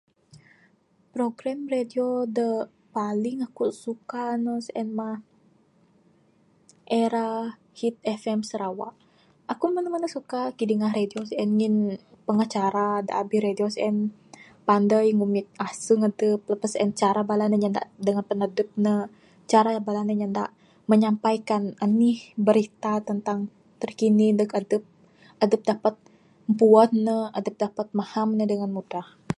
Program radio da paling akuk suka ne sien mah Era Hit FM Sarawak. Akuk menu menu suka kidingah radio sien ngin pengacara da abih radio sien pandai ngumit asung adup. Lepas sien cara bala ne nyanda dengan mpan adup ne, cara bala ne nyandak, menyampaikan anih berita tentang terkini ndug adup, adup dapat mpu'an ne, adup dapat mahan ne dengan mudah.